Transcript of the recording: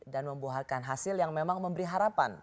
dan membuatkan hasil yang memang memberi harapan